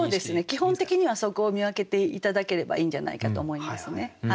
基本的にはそこを見分けて頂ければいいんじゃないかと思いますね。